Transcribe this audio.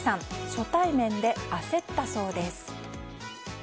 初対面で焦ったそうです。